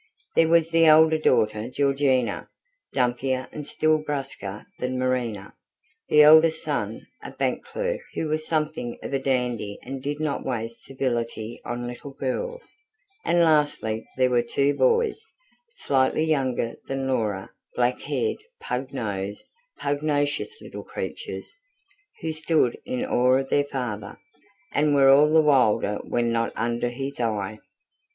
There was the elder daughter, Georgina, dumpier and still brusquer than Marina, the eldest son, a bank clerk who was something of a dandy and did not waste civility on little girls; and lastly there were two boys, slightly younger than Laura, black haired, pug nosed, pugnacious little creatures, who stood in awe of their father, and were all the wilder when not under his eye.